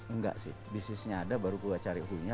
enggak sih bisnisnya ada baru gue cari hoo nya